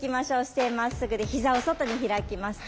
姿勢まっすぐで膝を外に開きます。